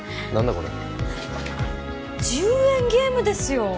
これ１０円ゲームですよ